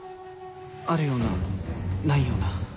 あるようなないような。